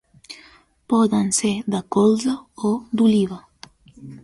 Poden ser de colza o d'oliva.